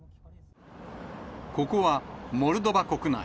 ここは、モルドバ国内。